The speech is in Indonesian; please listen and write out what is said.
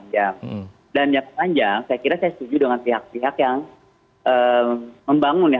jangka panjang saya kira saya setuju dengan pihak pihak yang membangun ya